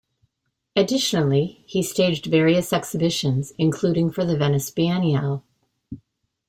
Additionally, he staged various exhibitions, including for the Venice Biennale.